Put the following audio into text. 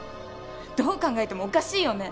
どう考えてもおかしいよね？